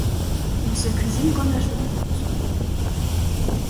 Il se cuisine comme la choucroute.